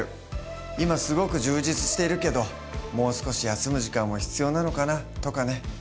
今すごく充実しているけどもう少し休む時間も必要なのかな？とかね。